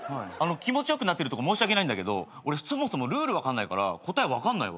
気持ちよくなってるとこ申し訳ないんだけど俺そもそもルール分かんないから答え分かんないわ。